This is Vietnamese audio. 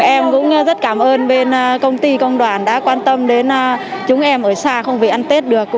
em cũng rất cảm ơn bên công ty công đoàn đã quan tâm đến chúng em ở xa không vì ăn tết được